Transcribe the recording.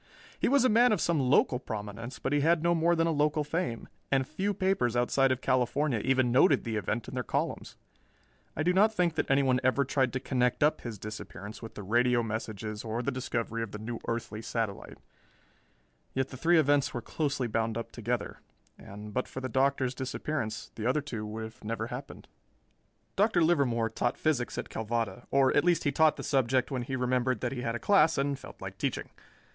He was a man of some local prominence, but he had no more than a local fame, and few papers outside of California even noted the event in their columns. I do not think that anyone ever tried to connect up his disappearance with the radio messages or the discovery of the new earthly satellite; yet the three events were closely bound up together, and but for the Doctor's disappearance, the other two would never have happened. Dr. Livermore taught physics at Calvada, or at least he taught the subject when he remembered that he had a class and felt like teaching.